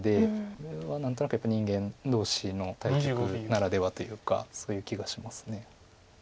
これは何となくやっぱり人間同士の対局ならではというかそういう気がします。